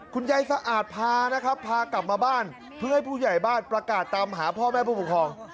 สะอาดพานะครับพากลับมาบ้านเพื่อให้ผู้ใหญ่บ้านประกาศตามหาพ่อแม่ผู้ปกครอง